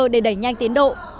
để đẩy nhanh tiến độ